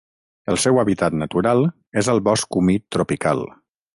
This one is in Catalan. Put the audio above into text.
El seu hàbitat natural és al bosc humit tropical.